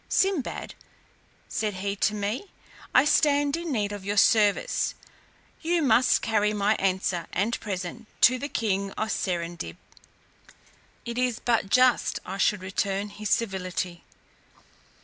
"Sinbad," said he to me, "I stand in need of your service; you must carry my answer and present to the king of Serendib. It is but just I should return his civility."